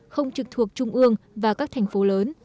không trực thuộc trung ương và các thành phố lớn